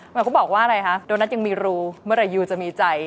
หมายความว่าอะไรคะโดนัทยังมีรูเมื่อไหยูจะมีใจ